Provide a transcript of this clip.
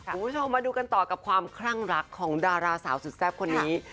คุณผู้ชมมาดูกันต่อกับความคลั่งรักของดาราสาวสุดแซ่บคนนี้